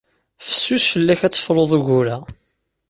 Fessus fell-ak ad tefruḍ ugur-a.